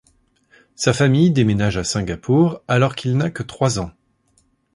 Sa famille déménage à Singapour alors qu'il n'a que trois ans.